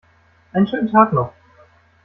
Einen schönen Tag noch!